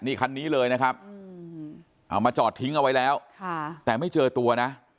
นี่คันนี้เลยนะครับเอามาจอดทิ้งเอาไว้แล้วแต่ไม่เจอตัวนะ